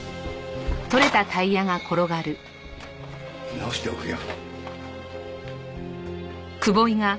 直しておくよ。